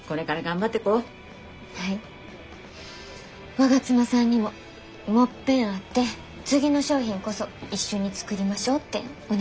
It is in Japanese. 我妻さんにももっぺん会って次の商品こそ一緒に作りましょうってお願いしてみます。